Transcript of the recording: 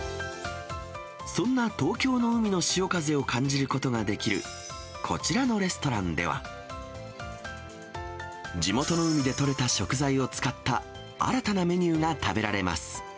そんな東京の海の潮風を感じることができるこちらのレストランでは、地元の海で取れた食材を使った、新たなメニューが食べられます。